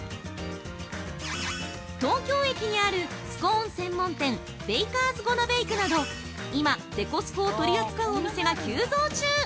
東京駅にあるスコーン専門店ベイカーズ・ゴナ・ベイクなど今、デコスコを取り扱うお店が急増中！